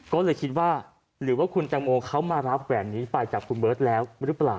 ก็เลยคิดว่าหรือว่าคุณแตงโมเขามารับแหวนนี้ไปจากคุณเบิร์ตแล้วหรือเปล่า